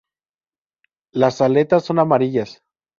Las aletas son amarillas.